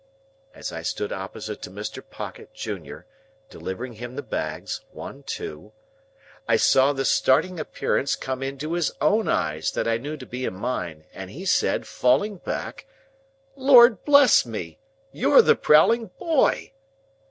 As I stood opposite to Mr. Pocket, Junior, delivering him the bags, One, Two, I saw the starting appearance come into his own eyes that I knew to be in mine, and he said, falling back,— "Lord bless me, you're the prowling boy!"